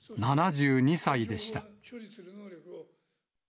７２歳でした。